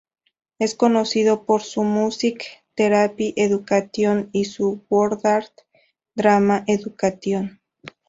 Es conocido por su Music Therapy Education y su Wordart-Drama Education.